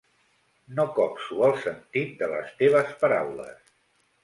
No copso el sentit de les teves paraules.